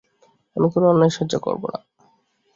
আমি কোনো অন্যায় সহ্য করবো না।